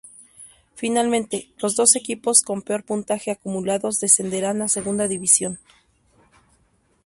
Finalmente, los dos equipos con peor puntaje acumulado descenderán a Segunda División.